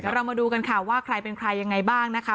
เรามาดูกันค่ะว่าใครเป็นใครยังไงบ้างนะคะ